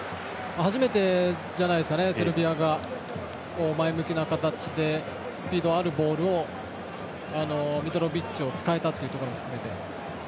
初めてじゃないですかねセルビアが前向きな形でスピードあるボールをミトロビッチを使えたっていうところも含めて。